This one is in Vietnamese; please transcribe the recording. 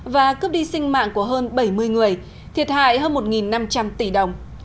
và cướp đi sinh mạng của hơn bảy mươi người thiệt hại hơn một năm trăm linh tỷ đồng